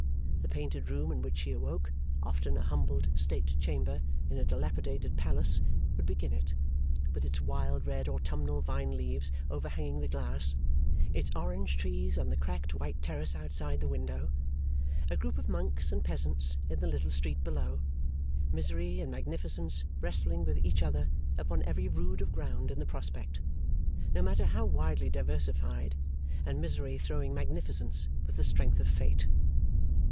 The painted room in which she awoke, often a humbled state chamber in a dilapidated palace, would begin it; with its wild red autumnal vine leaves overhanging the glass, its orange trees on the cracked white terrace outside the window, a group of monks and peasants in the little street below, misery and magnificence wrestling with each other upon every rood of ground in the prospect, no matter how widely diversified, and misery throwing magnificence with the strength of fate.